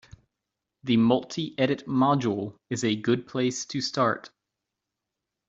The multi-edit module is a good place to start.